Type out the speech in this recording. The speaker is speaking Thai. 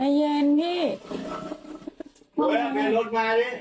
อะไรใจเย็นช่วยด้วย